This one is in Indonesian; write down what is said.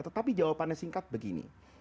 tetapi jawabannya singkat begini